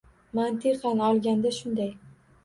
Mantiqan olganda shunday.